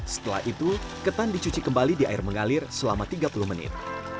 setelah itu ketan dicuci kembali di air mengalir selama tiga puluh menit